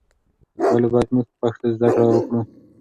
ولې باید موږ په پښتو زده کړه وکړو؟